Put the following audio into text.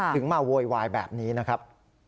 ถึงมาโวยวายแบบนี้นะครับ